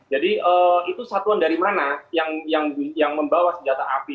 jadi itu satuan dari mana yang membawa senjata api